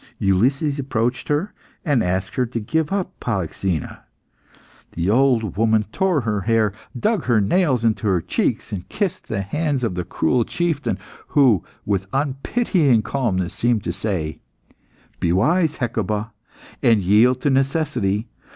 Ulysses approached her, and asked her to give up Polyxena. The old mother tore her hair, dug her nails into her cheeks, and kissed the hands of the cruel chieftain, who, with unpitying calmness, seemed to say "Be wise, Hecuba, and yield to necessity.